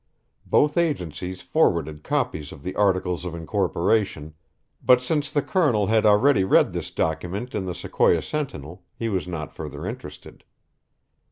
Both agencies forwarded copies of the articles of incorporation, but since the Colonel had already read this document in the Sequoia Sentinel, he was not further interested.